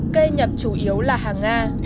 cây nhập chủ yếu là hàng nga